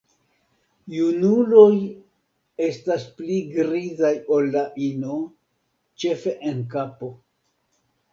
Junuloj estas pli grizaj ol la ino, ĉefe en kapo.